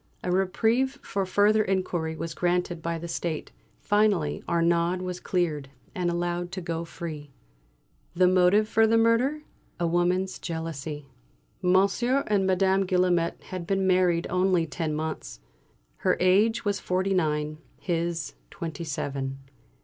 A reprieve for further inquiry was granted by the State. Finally Arnaud was cleared, and allowed to go free. The motive for the murder? A woman's jealousy. Monsieur and Madame Guillaumet had been married only ten months. Her age was forty nine; his twenty seven.